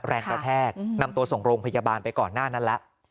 แรงกระแทกนำตัวส่งโรงพยาบาลไปก่อนหน้านั้นแล้ว